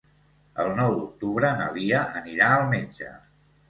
El nou d'octubre na Lia anirà al metge.